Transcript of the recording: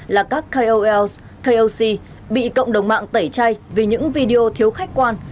là các kols koc bị cộng đồng mạng tẩy chay vì những video thiếu khách quan